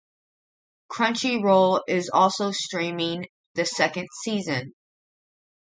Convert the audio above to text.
Crunchyroll is also streaming the second season.